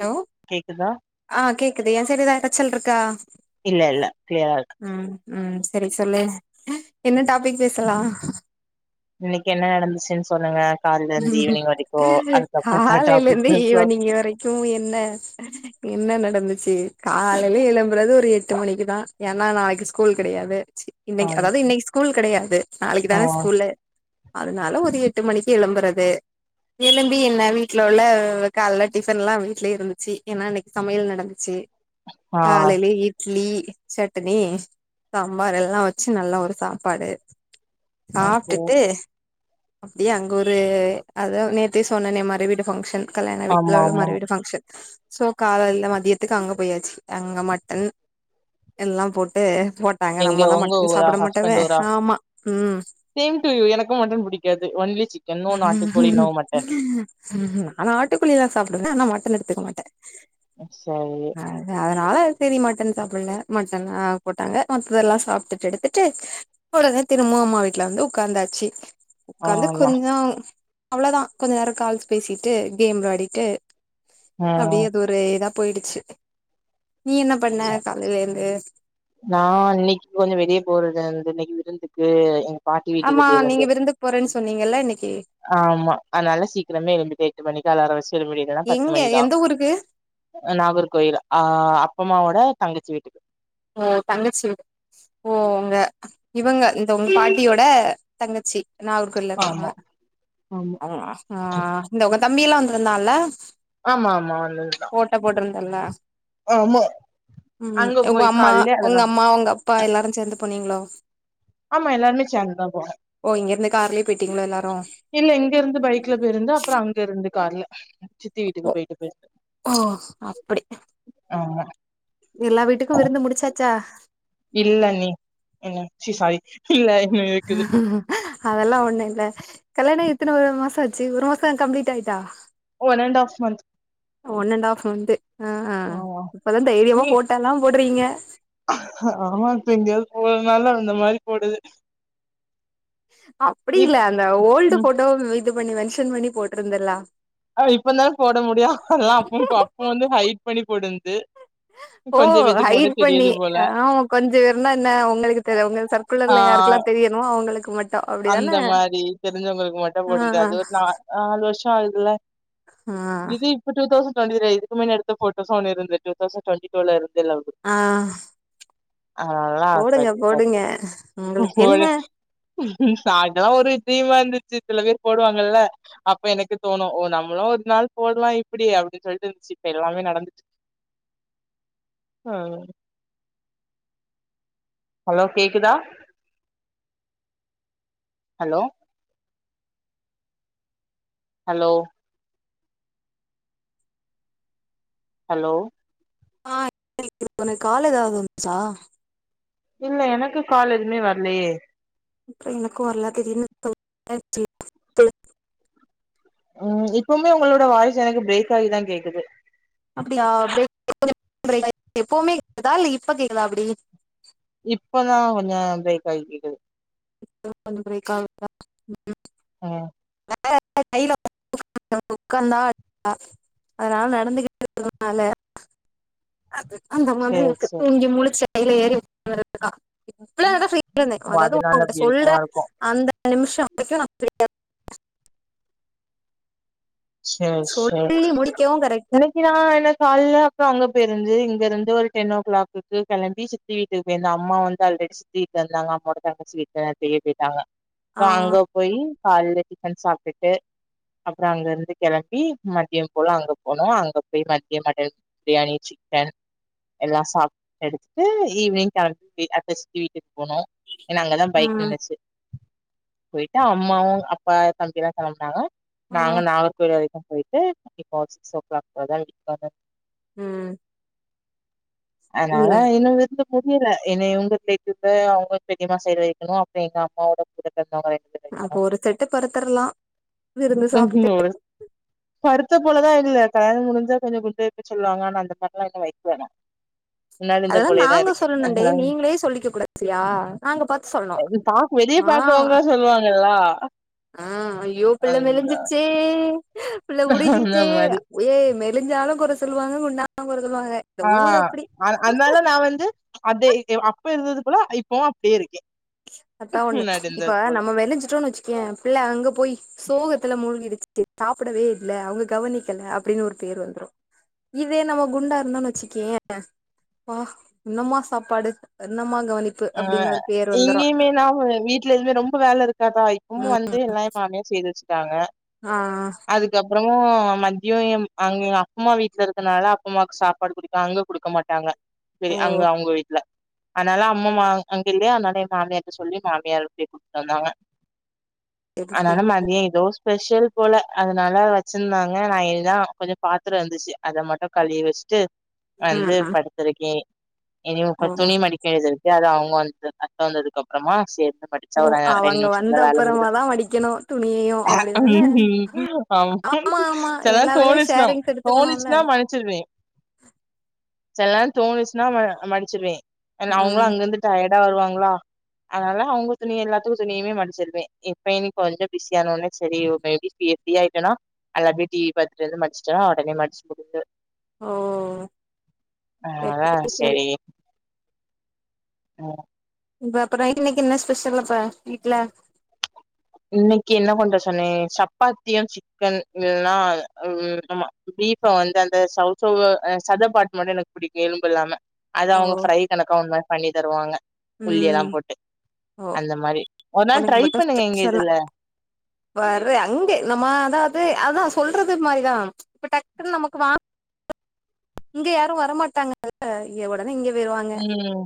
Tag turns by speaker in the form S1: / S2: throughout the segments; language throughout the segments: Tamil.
S1: ஹலோ
S2: கேக்குதா
S1: ஆ கேக்குது எ சைடு ஏதாது எரச்சல்ருக்கா
S2: இல்ல இல்ல கிளியரா இருக்கு
S1: ம் சரி சொல்லு என்ன டாபிக் பேசலா
S2: இன்னைக்கு என்ன நடந்துச்சின் சொல்லுங்க கால்ல இருந்து ஈவினிங் வரைக்கு அதுக்கப்புற எதா டாபிக்
S1: காலைலருந்து
S2: பேசலா
S1: ஈவினிங் வரைக்கு என்ன என்ன நடந்துச்சு காலைல எழும்புறது ஒரு எட்டு மணிக்குதா ஏன்னா நாளைக்கு ஸ் கூல் கெடையாது
S2: ஆ
S1: இன்னைக்கு அதாவது இன்னைக்கு ஸ்கூல் கெடையாது நாளைக்கு
S2: ஆ
S1: தான ஸ்கூலு அதனால ஒரு எட்டு மணி எழும்புறது எழும்பி என்ன வீட்ல உள்ள காலைல டிஃபன்ல்லா வீட்லயே இருந்துச்சு ஏன்னா இன்னைக்கு சமையல் நடந்துச்சு
S2: ஆ
S1: காலைல இட் ட்லி சட்னி சாம்பார் எல்லா வச்சு நல்லா ஒரு சாப்பாடு
S2: ஓகே
S1: சாப்ட்டுட்டு அப்டியே அங் க ஒரு அதா நேத்தே சொன்னனே மறுவீட்டு ஃபங்க்ஷன் கல்யாண வீட்ல
S2: ஆமா
S1: உள்ள
S2: ஆமா
S1: மறுவீடு ஃபங்க்ஷன் சோ காலல மதியத்துக்கு அங்க போயாச்சு அங்க மட்டன் எல்லாம் போட்டு போ சாய்ங்கால
S2: எங்க
S1: நம்மதா
S2: உங்க
S1: மட்டன்
S2: ஊரா
S1: சாப்பிட மாட்டமே
S2: ஹஸ்பண்ட் ஊரா
S1: ஆமா ம்
S2: சேம் டு யூ எனக்கு மட்டன் புடிக்காது ஒன்லி சிக்
S1: ஆனா ஆட்டுக்கோழி எல்லா சாப்பிடுவே ஆனா மட்டன் எடுத்துக்க மாட்ட
S2: சரி
S1: அதனால செரி மட்டன் சாப்பில மட்டன் போட்டாங்க மத்ததெல்லா சாப்ட்டுட்டு எடுத்துட்டு ஒடனே திரும்பவு அம்மா வீட்ல வந்து உக்காந்தாச்சி கந்து
S2: ஆமா
S1: கொஞ்சம் அவ்ளோதா கொஞ்ச நேரம் கால்ஸ் பேசிட்டு கேம் விளாடிட்டு
S2: ம்
S1: அப்டியே அது ஒரு இதா போயிடுச்சு நீ என்ன பண்ண காலைலந்து
S2: நா இன்னைக்கு கொஞ்ச வெளிய போறதாந்து இன்னைக்கு விருந்துக்கு பாட்டி வீட்டுக்கு
S1: ஆமா
S2: போயிருந்து
S1: நீங்க விருந்துக்கு போறன் சொன்னீங்கல்ல இன்னைக்கு
S2: ஆமா அதனால சீக்கிரமே எழும்பிட்டு எட்டு மணிக்கு அலார வச்சு எழும்புற பத்து மணிகுதா
S1: இருக்கு
S2: நாகர்கோயில் அ அப்பம்மாவோட தங்கச்சி வீட்டுக்கு
S1: ஆ தங்கச்சி வீடு ஓ உங்க இவங்க இந்த உங்க பாட்டியோட தங்கச்சி நாகர் கோயில்ல இருக்காங்க
S2: ஆமா ஆமா
S1: ஆ இந்த உங்க தம்பியெல்லா வந்திருந்தால்ல
S2: ஆமா ஆமா வந்ததுதா
S1: ஃபோட்டோ போட்ருந்தல்ல
S2: ஆமா
S1: ம்
S2: அங்க
S1: உங்க
S2: போய்
S1: அம்மா
S2: கால்லே
S1: உங்க
S2: அதனா
S1: அம்மா உங்க அப்பா எல்லாரு சேந்து போனீங்களோ
S2: ஆமா எல்லாருமே சேந்துதா போனோ
S1: ஓ இங்கிருந்து கார்லயே போயிட்டீங்களோ எல்லாரு
S2: இல்ல இங்க இருந்து பைக்ல போயிருந்தோ அப்பற அங்க இருந்து கார்ல
S1: ஒ
S2: வீட்டுக்கு போயிட்டு போயிருந்து
S1: ஓ அப்படி
S2: ஆமா
S1: எல்லா வீட்டுக்கு விருந்து முடிச்சாச்சா
S2: இல்லண்ணி என்ன ச்சீ ஸாரி இல்ல
S1: [unintelligible] அதெல்லா ஒண்ணு இல்ல கல்யாண ஆயி எத்தன வரு மாசம் ஆச்சு ஒரு மாசம் கம்ப்ளீட் ஆயிட்டா
S2: one and half month
S1: one and half month ஆ ஆ
S2: ஆமா
S1: இப்பதா தைரியமா
S2: நீ
S1: போட்டோல்லா போட்றீங்க
S2: ஆமா இப்ப எங்கயாது போறனால அந்த மாரி போடுது
S1: அப்டி இல்ல
S2: இப்
S1: அந்த ஓல்டு
S2: ம்
S1: போட்டோவ இது பண்ணி மென்ஷன் பண்ணி போட்டிருந்தல்லா
S2: ஆ இப்பதான போட முடியு அதெல்லா அப்ப போ அப்போ வந்து ஹைடு பண்ணி போடுந்து
S1: ஓ
S2: கொஞ்ச பேத்துக்கு
S1: ஹைடு
S2: மட்டு
S1: பண்ணி,
S2: தெரியுது போல
S1: ஆமா கொஞ்ச பேருன்னா என்ன உங்களுக்கு தெரிய உங்க
S2: ஆ
S1: சர்க்குலர்ல யாருக்குல்லா தெரிய னுமோ அவுங்களுக்கு மட்
S2: அந்த மாரி தெரிஞ்சவங்களுக்கு மட்டு
S1: ஆ
S2: போட்டுருந்த
S1: ஆ
S2: அது ஒரு நா நாலு வருஷ ஆகுதுல
S1: ஆ
S2: இது இப்ப டூ தௌசண்ட் டொவண்டி திரி இதுக்கு முன்ன எடுத்த போட்டோஸ் ஒன்னு இருந்து டூ தௌசண்ட் டொவண்டி டூல இருந்துதுல அது
S1: ஆ
S2: அதனாலதா
S1: போடுங்க போடுங்க உங்களுக்கு என்ன
S2: சாய்ந்தர ஒரு தீம் வந்துச்சு சில பேர் போடுவாங்கல்ல அப்ப எனக்கு தோணு ஓ நம்மளு ஒரு நாள் போடலா இப்படி அப்படினு சொல்ட்டு இருந்துச்சு இப்ப எல்லாமே நடந்துட்டு ஆ ஹலோ கேக்குதா ஹலோ ஹலோ ஹலோ
S1: ஆ கேக்குது உனக்கு கால் ஏதாவது வந்துச்சா
S2: இல்ல எனக்கு கால் எதுமே வர்லயே
S1: இப்ப எனக்கு வரலா திடீர்னு சவுண்ட்டா இருந்துச்சு
S2: ம் இப்பவுமே உங்களோட வாய்ஸ் எனக்கு பிரேக் ஆகிதா கேக்குது
S1: அப்டியா ப்ரேக் கொஞ்சோ ப்ரேக்காயி எப்பவுமே கேக்குதா இல்ல இப்ப கேக்குதா அப்டி
S2: இப்பதா கொஞ்சோ ப்ரேக்காயி கேக்குது
S1: இப்பதா கொஞ்சோ பிரேக் ஆவுதா, ம்
S2: ஆ
S1: [inaudible] உட்காந்தா [inaudible] அதனால நடந்துகிட்டே இருக்றதுனால அது அந்த மாதிரி
S2: சேரி
S1: இருக்கு
S2: சேரி
S1: தூங்கி முழிச்சு கைல ஏறி [inaudible] இவ்ளோ நோரோ சொல்லிட்டுதா இருந்தே
S2: ஓ
S1: அதாது
S2: அதனால
S1: ஒங்கிட்ட
S2: அப்டி
S1: சொல்ற
S2: இருக்குமா இருக்கு
S1: அந்த நிமிஷ வரைக்கு நா ஃப்ரியா
S2: சேரி, சேரி,
S1: சொல்லி முடிக்கவு கரெக்டா
S2: இன்னைக் கிலா என்ன கால்ல அப்றோ அங்க போயிருந்து இங்க இருந்து ஒரு டென் ஓ கிளாக்குக்கு கெளம்பி சித் தி வீட்டுக்கு போயிருந்த அம்மா வந்து ஆல்ரெடி சித்தி வீட்ல இருந்தாங்க அம்மோட தங்கிச்சி வீட்டுக்கு நேத்திக்கே போயிட்டாங்க
S1: ஆ
S2: சோ அங்க போயி கால்ல டிஃபன் சாப்ட்டுட்டு அப்றோ அங்க இருந்து கெளம்பி மதியம் போல அங்க போனோ அங்க போய் மதியம் மட்டன் பிரியாணி சிக்கன் எல்லா சாப்ட்டு எடுத்துட்டு ஈவினிங் கெளம்பி அடுத்து சித்தி வீட்டுக்கு போனோ ஏன்னா அங்கதா பைக்
S1: ம்
S2: நின்னுச்சு போயிட்டு அம்மாவு, அப்பா தம்பில்லா கெளம்புனாங்க நாங்க
S1: ம்
S2: நாகர்கோவில் வரைக்கு போயிட்டு இப்போ சிக்ஸ் ஓ கிளாக் போலதா வீட்டுக்கு வந்த
S1: ம் நீ
S2: அதனால
S1: வந்து
S2: இன்னு விருந்து முடியல என்ன இவங்க சைடு இப்ப அவங்க பெரியம்மா சைடு வைக்கனு அப்பறோ எங்க அம்மாவோட கூட பொறந்தவங்க ரெண்டு பேரு
S1: அப்ப ஒரு செட்டு பெருத்தர்லா விருந்து சாப்பிட்டு
S2: வைக்கணு ஒரு பருத்த போலதா இல்ல கல்யாண முடிஞ்சா கொஞ்சோ குண்டு வைப்ப சொல்லுவாங்க ஆனா அந்த மாரிலா எது வைக்கல நா முன்னாடி இருந்த
S1: அததா
S2: போலயேதா
S1: நாங்க
S2: இருக்கே
S1: சொல்லணுன்டே
S2: அதனால
S1: நீங்களே சொல்லிக்க கூடாது சரியா நாங்க பாத்து சொல்ணு
S2: பாக் வெளிய
S1: ஆ
S2: பாக்றவங்க சொல்லுவாங்கலா
S1: ஆ, ஐயோ பிள்ள மெலிஞ்சிருச்சே புள்ள
S2: அந்த
S1: உருகிடுச்சே,
S2: மாரி
S1: ஏய் மெலிஞ்சாலு கொற சொல்லுவாங்க குண்டானாலு கொற சொல்லுவாங்க இந்த
S2: ஆ
S1: ஊர் அப்டி
S2: அது அதனால நா வந்து அப்டியே அப்ப இருந்ததுப்போல இப்பவு அப்டியே இருக்கே
S1: அதா ஒண்ணு இப்ப நம்ம வெளஞ்சிட்டோன்னு வச்சுக்கயே பிள்ள அங்க போய் சோகத்துல மூழ்கிடுச்சி சாப்டவே இல்ல அவங்க கவனிக்கல அப்டின்னு ஒரு பேர் வந்துரு இதே நம்ம குண்டா இருந்தோன்னு வச்சுக்கேயே ஆ என்னமா சாப்பாடு என்னமா கவனிப்பு
S2: ஆ
S1: அப்டின்னு ஒரு பேர் வந்துரு
S2: இங்கேயுமே நா வீட்ல எதுவு ரொம்ப வேல இருக்காதா இப்பமு வந்து எல்லா எ மாமியார் செய்து வச்சுட்டாங்க
S1: ஆ ஆ
S2: அதுக்கப்றமு மத்தியோ எம் அங்க அப்பம்மா வீட்ல இருக்கனால அப்பம்மாக்கு சாப்பாடு குடு சோ அங்க குடுக்க மாட்டாங்க சரி
S1: ஓ
S2: அங்க அவங்க வீட்ல அதனால அம்மம்மா அங்க இல்லையா அதனால எ மாமியார்ட்ட சொல்லி மாமியார்ட்டயே குடுத்துட்டு வந்தாங்க
S1: செரி
S2: அதனால
S1: செரி
S2: மதியோ எதோஸ் ஸ்பெஷல் போல அதனாலா வச்சிந்தாங்க நா இதா கொஞ்சோ பாத்தரோ இருந்துச்சி அத மட்டு கழுவி வச்ட்டு
S1: ஆ
S2: வந்து
S1: ஆ
S2: படுத்திருக்கே இனி கொ
S1: ஓ
S2: துணி மடிக்க வேண்டிதிருக்கு ஏ அத அவங்க வந்து அத்த வந்ததுக்கு அப்றமா சேத்து மடி
S1: ஓ
S2: கிச்சாவோட
S1: அவங்க
S2: [unintelligible]
S1: வந்த
S2: வேல
S1: அப்புறமா
S2: உடுதோ
S1: தா மடிக்கணு துணியையு
S2: அ
S1: அப்டிதானே
S2: ம் ம் ஆம்
S1: ஆமா ஆமா
S2: செலநேரோ
S1: எல்லா வேலையு
S2: தோணிச்சுனா
S1: ஷேரிங்ஸ் எடுத்துக்கணும்ல
S2: தோணிச்சுன்னா மனு சுறுவே செல நேரோ தோணுச்சுன்னா ம மடிச்சிருவே [unintelligible] அவங்களல்லா
S1: ம்
S2: அங்க வந்து டயர்டா வருவாங்களா அதனால அவங்க துணி எல்லாத்துக்கு துணியுமே மடிச்சிறுவே இப்ப இனி கொஞ்சோ பிசியானோனே செரி [unintelligible] பி ஃப்ரீ ஆய்ட்டனா அத அப்டி டிவி பாத்துட்டு வந்து மடிச்சிட்டனா ஒடனே மடிச் முந்து
S1: ஓ
S2: அ அ செரி அ
S1: இப்ப அப்புறோ இன்னைக்கு என்ன ஸ்பெஷல்ல ப வீட்ல
S2: இன்னிக்கி என்ன கொண்ட சொன்ன சப்பாத்தியு சிக் கன் இதெல்லா ஆமா பீப்ப வந்து அந்த சவ் சவ்வு அ சத பார்ட் மட்டு எனக் புடிக்கு எலும்பு இல்லாம அத
S1: ஓ
S2: அவங்க ஃப்ரை கணக்கா ஒரு மாரி பண்ணி தருவாங்க உள்ளி எல்லா
S1: ம்
S2: போட்டு
S1: ஓ
S2: அந்த மாரி ஒரு நாள்
S1: உனக்கு
S2: ட்ரை பண்ணுங்க எங்க இதுல
S1: வர்றே அங்கே நம்ம அதாது அதா சொல்றது மாரிதா இப்ப டக்குனு நமக்கு வாங் இங்க யாரு வரமாட்டாங்கல்ல இங்க ஒடனே இங்க பேருவாங்க
S2: ம்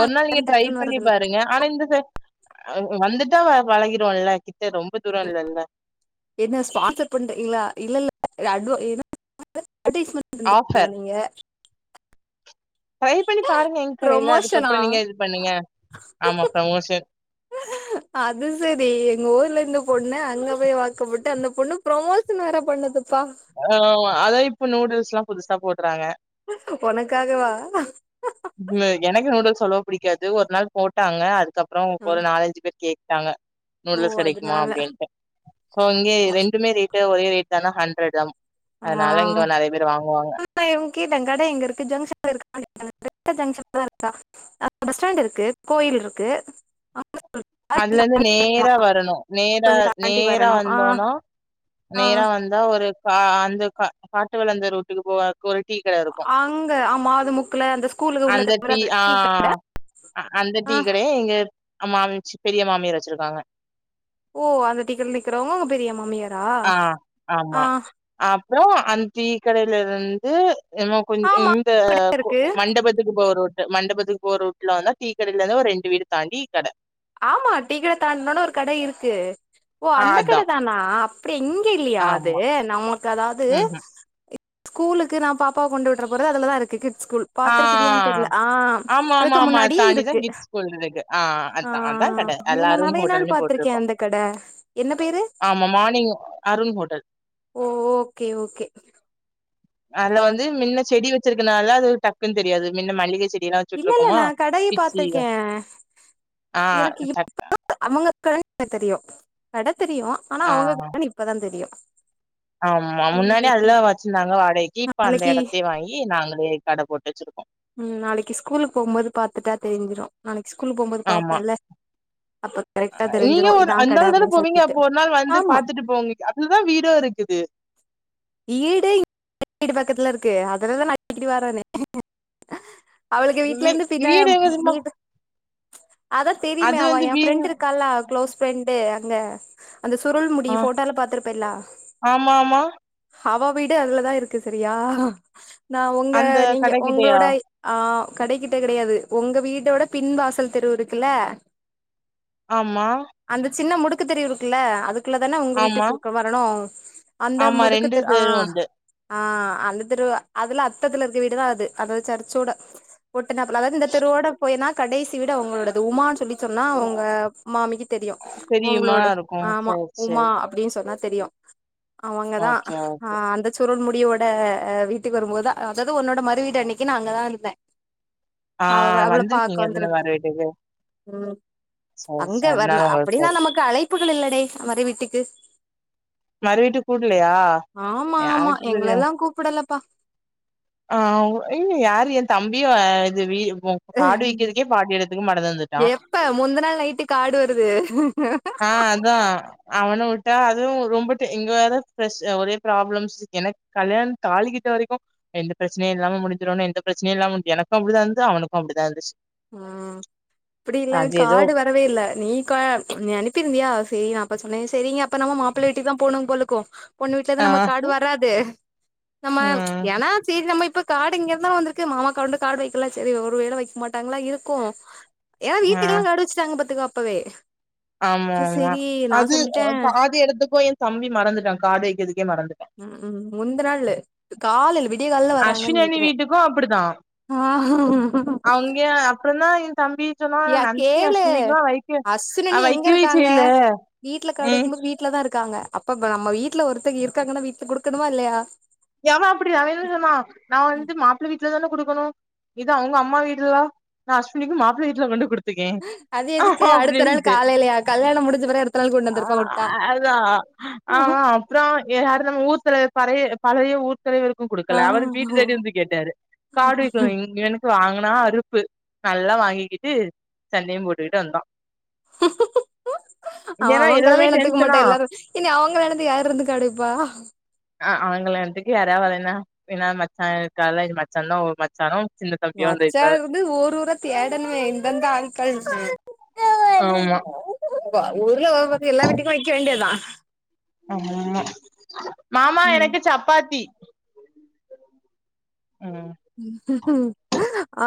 S2: ஒரு நாள் நீங்க ட்ரை பண்ணி பாருங்க ஆனா இந்த ச ஆ வந்துட்டா பழகிறோல்ல கிட்ட ரொம்ப தூரோ இல்லல்ல
S1: என்ன ஸ்பான்சர் பண்றிங்களா இல்ல இல்ல [inaudible] அட்வடேஸ்மெண்ட் பண்றீங்களா
S2: ஆஃபர்
S1: நீங்க
S2: ட்ரை பண்ணி பாருங்க எங்க கடைல
S1: ப்ரொமோஷனா
S2: அதுக்கப்புறோ நீங்க இது பண்ணுங்க ஆமா ப்ரமோஷன்
S1: அது செரி எங்க ஊர்ல இந்த பொண்ண அங்க போய் வாக்கப்பட்டு அந்த பொண்ணு ப்ரொமோஷன் வேற பண்ணதுப்பா
S2: ஆமா அதா இப்ப நூடுல்ஸ்லா புதுசா போடுறாங்க
S1: ஒனக்காகவா
S2: ம் எனக்கு நூடுல்ஸ் அவ்ளோவா பிடிக்காது ஒரு நாள் போட்டாங்க அதுக்கப்புறோ ஒரு நாலஞ்சு பேர் கேட்டாங்க
S1: ஓ
S2: நூடுல்ஸ் கெடைக்குமா
S1: அதனால
S2: அப்டின்ட்டு சோ இங்கேயே ரெண்டுமே ரேட் டு ஒரே ரேட் தானா ஹண்ட்ரட் அம் அதனால இங்க நெறைய பேர் வாங்குவாங்க
S1: இப்ப இவங் கேட்ட கட எங்க இருக்கு ஜங்ஷன்ல இருக்கா [inaudible] அ ஜங்ஷன்ல தா இருக்கா அ பஸ் ஸ்டாண்ட் இருக்கு கோயில் இருக்கு
S2: அதுலந்து நேரா வரனு நேரா
S1: கொஞ்ச தாண்டி
S2: நேரா
S1: வரணு ஆ
S2: வந்தோனா
S1: ஆ
S2: நேரா வந் இந்த ஒரு கா அந்த கா காட்டு வளந்த ரூட்டுக்கு போவ க்கு ஒரு டீ கட இருக்கு
S1: அங்க ஆமா அது முக்குல அந்த ஸ்கூலுக்கு உள்ள
S2: அந்த டீ ஆ அ அந்த
S1: ஆ
S2: டீ கடைய எங்க மாமிச் பெரிய மாமியார் வச்சிருக்காங்க
S1: ஓ அந்த டீ கடைல நிக்கிறோங்க ஒங்க பெரிய மாமியார்
S2: ஆ ஆமா அப்றோ அந் டீ கடைலருந்து எமோ கொஞ்
S1: ஆமா
S2: இந்த கு
S1: இருக்கு
S2: மண்டபத்துக்கு போற ரூ ட் மண்டபத்துக்கு போற ரூட்ல வந்தா டீக்கடைலந்து ஒரு ரெண்டு வீடு தான்டி கட
S1: ஆமா டீ கட தான்ட்னோன ஒரு கட இருக்கு ஓ
S2: ஆ
S1: அந்த
S2: அதா
S1: கட தானா அ ப்டி இங்க இல்லயா அது
S2: ஆமா
S1: நமக்கு அதாது
S2: ம்ஹ்ம்
S1: ஸ்கூலுக்கு நா பாப்பாவ கொண்டு விட்றபோறது அதுலதாருக்கு கிட்ஸ் ஸ்கூல்
S2: ஆ
S1: பாத்துருக்கிதியான் தெர்ல ஆ
S2: ஆமா ஆமா
S1: அதுக்கு
S2: ஆமா அத
S1: முன்னாடியே
S2: தாண்டிதா
S1: இருக்கு
S2: கிட்ஸ் ஸ்கூல் இருக்கு ஆ அதா அதா கட
S1: ஓ
S2: அதுல
S1: நா
S2: அருண்
S1: நெறைய நாள்
S2: ஹோட்டல்னு
S1: பாத்திருக்கே
S2: போட்ருக்கு
S1: அந்த கட என்ன பேரு
S2: ஆமா morning Arun hotel
S1: oh okay okay
S2: அதுல
S1: பா
S2: வந்து மின்ன செடி வச்சிருக்கனால அது ஒரு டக்குன் தெரியாது மின்ன மல்லிக செடிலா
S1: இல்லெல்ல நா கடய பாத்திருக்கே
S2: ஆ
S1: எனக்கு
S2: சட்
S1: இப்ப தா அவங்க கடன் தெரியு கட தெரியு ஆனா
S2: ஆ
S1: அவங்க கடன் இப்ப தா தெரியு
S2: ஆமா முன்னாடி அதுல தா வெச்சிருந்தாங்க வாடக்கி இப்ப அந்த
S1: நாளைக்கு
S2: எடத்தயே வாங் கி நாங்களே கட போட்டு வச்சிருக்கோ
S1: ம் நாளைக்கி ஸ்கூலுக்கு போம்போது பாத்துட்டா தெரிஞ்சிடு நாளைக்கி ஸ்கூல் போம்போது
S2: ஆமா
S1: பாப்பேன்ல்ல
S2: நீங்க ஒரு அந்தாள் தானே
S1: அப்டின்னு
S2: போவீங்க
S1: சொல்லிட்டு
S2: அப்போ ஒர் நாள் வந்து
S1: ஆமா
S2: பாத்துட்டு போங்க அதுதா வீடோருக்குது
S1: ஈடே எங்க வீட் பக்கத்துல இருக்கு அதலதா நா வரேனே அவளுக
S2: வீ
S1: வீட்லருந்து பின்னா
S2: வீடு எங்க தெரிமா
S1: வீடு அதா தெரிமே
S2: அது
S1: அவா
S2: வந்து
S1: எ
S2: வீ
S1: ஃப்ரெண்ட்டு இருக்கால க்ளோஸ் ஃப்ரெண்டு அங்க அந்த சுருள் முடி ஃபோட்டோல பாத்துருப்பேல்ல
S2: ஆமாமா
S1: அவ வீடு அதுலதாருக்கு செரியா நா ஒங்க
S2: அந்த
S1: நீங்க
S2: கடைக்கிட்டயா
S1: உங்ளோட ஆ கடைக்கிட்ட கெடயாது உங்க வீடோட பின் வாசல் தெரு இருக்குல்ல
S2: ஆமா
S1: அந்த சின்ன முடுக்கு தெரிவு இருக்குல்ல அதுக்குள்ள தான உங்க
S2: ஆமா
S1: வீட்டுக் இருக்கு வரணு அந்த
S2: ஆமா
S1: முடு
S2: ரெண்டு தெரு உண்டு
S1: ஆ‌ அந்த தெருவ அதுல அத்தத்துல இருக்குற வீடுதா அது அதவு சர்ச்சோட ஒட்டுனாப்புல அதாது இந்த தெருவோட போய்னா கடைசி வீடு அவுங்களோடது உமான் சொல்லி சொன்னா அவுங்க மாமிக்கு தெரியு
S2: தெரியுமா
S1: உங்ளோட
S2: இருக்கு
S1: ஆமா
S2: சேரி
S1: உமா
S2: சேரி
S1: அப்டின் சொன்னா தெரியு அவங்க தா
S2: ஓகே ஓ
S1: ஆ அந்த சுருள் முடியோட வீட்டுக்கு வரும்போதா அதாவ்து உன்னோட மறுவீடு அன்னக்கி நா அங்க தாருந்தே
S2: ஆ
S1: அவ் அவ்ள பாக்க
S2: வந்திருக்கீங்க தான
S1: வந்துருந்தே
S2: மறு வீட்டுக்கு
S1: ம்
S2: சேரி
S1: அங்க
S2: சேரி
S1: வர்ல
S2: அதனால உங்களுக்கு
S1: அப்டின்னா
S2: தெரியு
S1: நமக்கு அழைப்புகள் இல்லடே மறு வீட்டுக்கு
S2: மறு வீட்டுக்கு கூப்புலயா
S1: ஆமா மா எங்கலல்லா கூப்புடலப்பா
S2: ஆ உ இல்லயே யாரு எ தம்பியோ ஆ இது வீ ஒ ப்ப காடு விக்கிறதுக்கே பாட்டி எடத்துக்கு மறந்து வந்துட்டா
S1: இப்ப முந்த நாள் நைட்டு காடு வருது
S2: தா அவன விட்டா அதுவு ரொம்ப ட இங்க வேற ஃப்ரெஷ் ஒரே ப்ராப்ளம்ஸ் எனக்கு கல்யாணோ தாலி கிட்ட வரைக்கு எந்த பிரச்சனையு இல்லாம முடிஞ்சிரனும் எந்த பிரச்சனையும் இல்லாம எனக்கும் அப்டிதா இருந்தது அவனுக்கும் அப்டிதா இருந்துச்சு
S1: ம் அப்டில்ல
S2: அது ஏதோ
S1: காடு வந் வரவே இல்ல நீ கா நீ அனுப்பிருந்தியா சரி நா அப்ப சொன்னே செரிங்க அப்ப நம்ம மாப்ள வீட்டிக்கு தா போனும் போலுக்கோ பொண்ணு வீட்லந்து
S2: ஆ
S1: நமக்கு காடு வராதே நம்ம
S2: ம்
S1: ஏன்னா சைரி நம்ம இப்ப காடு இங்க இருந்தானே வந்திருக்கு மாமாக் கொண்டு காடு வெக்கலா செரி ஒரு வேல வெக்க மாட்டாங்ளா இருக்கு ஏயா
S2: ஆ
S1: வீட்டுக்கெல்லா காடு வெச்சிட்டாங்க பாத்துக்கோ அப்பவே
S2: ஆமா
S1: அப்ப
S2: ஆமா
S1: சேரி நா
S2: அது
S1: சொல்லிட்டே
S2: பாதி எடத்துக்கு என் தம்பி மறந்துட்டா காடு வெக்கிறதுக்கே மறந்து
S1: ம் ம் முந்த நாளு கால்ல விடிய கால்ல வராறங்கன்னு நெ
S2: அஸ்வினி வீட்டுக்கு அப்டிதா
S1: ஆ
S2: இங்க அப்றோ தா எயா தம்பி சொன்னா நா
S1: யா
S2: நந்தி
S1: கேளு
S2: அஸ்வினிக்குல்லா வெக்க அ
S1: அஸ்வினி எங்க
S2: வெக்கவே
S1: இருக்காங்க
S2: செய்ல ம்
S1: வீட்ல தா இருக்காங்க அப்பப்ப நம்ம வீட்ல ஒருத்தங்க இருக்காங்கன்னு வீட்டுக் குடுக்கணுமா இல்லையா
S2: எவே அப்டி தரேன்னு சொன்னா நா வந்து மாப்ள வீட்ல தானே குடுக்கணு இது அவுங்க அம்மா வீடுலா நா அஸ்வினிக்கு மாப்ள வீட்டுல கொண்டு குடுத் பாத்துகே
S1: அது எதுக்கு அடுத்த நாள்
S2: அப்டின்ட்டு
S1: காலையிலயா கல்யாணம் முடிஞ்ச பிறகு அடுத்த நாள் கொண்டு
S2: ஆ
S1: வந்திருப்பா உட்டா
S2: அதா ஆமா அப்றோ ஏ அது நம்ம ஊர் தலைவரு பழைய பழைய ஊர்தலைவரு அவருக்கு
S1: ஆ
S2: குடுக்கல அவரு வீட்டு தேடி வந்து கேட்டாரு காடு வெக்கில நீங்க தானே வாங்குனா அறுப்பு நல்லா வாங்கிக்கிட்டு சண்டையும் போட்டுக்கிட்டு வந்தோ
S1: அவ
S2: ஏன்னா
S1: அவ
S2: எல்லாமே
S1: கல்யாணத்துக்கு
S2: டென்ஷனா
S1: மட்டு எல்லா இனி அவுங்க கல்யாணத்துக்கு யாரு இருந்து கடப்பா
S2: அவ கல்யாணத்துக்கு யார் யார் வரேன்னா ஏனா மச்சா இருக்கார்ல எங்க மச்சான் தா ஒரு மச் சரவுண்ட் சின்னத்தா
S1: மச்சா இருந்து ஊரு ஊராத் தேடணுமே இந்தந்த ஆள்கள்னு
S2: ஆமா
S1: ஊர்ல வேல பாத்த எல்லா வீட்டுக்கு வெக்க வேண்டியத்தா
S2: ஆமா ம்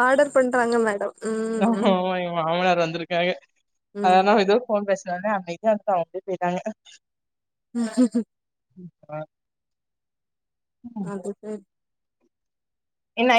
S1: ஆர்டர் பண்றாங்க மேடம் ம்
S2: ஆமா எங்க மாமனார் வந்துருக்காங்க
S1: ம்
S2: அதனா எதோ ஃபோன் பேசுன ஒன்னே அமைதியா இருந்துட்டு அவங்க அப்டியே போயிட்டாங்க
S1: ம்ம்ம்
S2: அஹ
S1: அது பேர்
S2: என்ன